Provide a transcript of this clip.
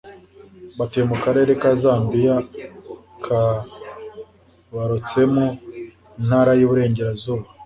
batuye mu karere ka zambiya ka barotsemu ntara y'uburengerazuba